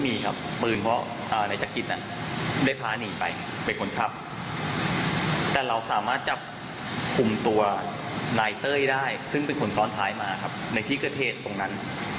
แล้วไหนแกจะคุมตัวนายเต้ยได้ซึ่งเป็นคนซ้อนท้ายมาครับในที่เกอร์เทศตรงนั้น